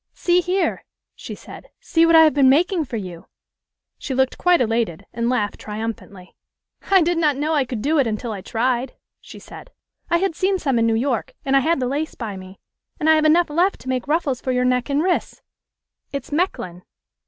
"See here," she said. "See what I have been making for you!" She looked quite elated, and laughed triumphantly. "I did not know I could do it until I tried," she said. "I had seen some in New York, and I had the lace by me. And I have enough left to make ruffles for your neck and wrists. It's Mechlin."